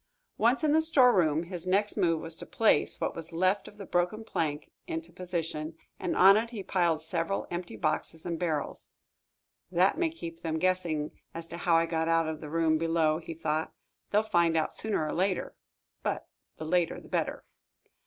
Once in the storeroom, his next move was to place what was left of the broken plank into position, and on it he piled several empty boxes and barrels. "That may keep them guessing as to how I got out of the room below," he thought. "They'll find out sooner or later but the later the better."